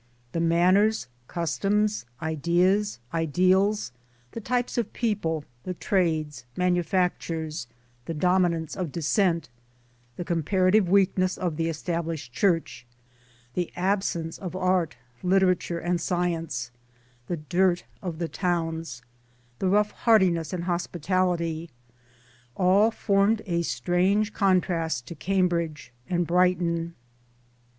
The manners, customs, ideas, ideals, the types of people, the trades, manufactures, the dominance of Dissent, the comparative weakness of the Established Church, the absence of art, literature and science, the dirt of the towns, the rough hearti ness and hospitality all formed a strange contrast to Cambridge and Brighton.